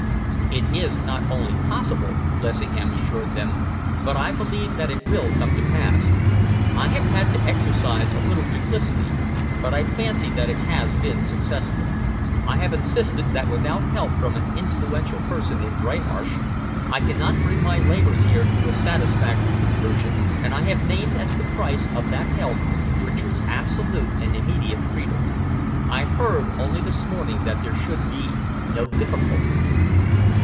"It is not only possible," Lessingham assured them, "but I believe that it will come to pass. I have had to exercise a little duplicity, but I fancy that it has been successful. I have insisted that without help from an influential person in Dreymarsh, I cannot bring my labours here to a satisfactory conclusion, and I have named as the price of that help, Richard's absolute and immediate freedom. I heard only this morning that there would be no difficulty."